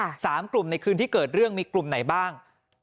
สามกลุ่มในคืนที่เกิดเรื่องมีกลุ่มไหนบ้าง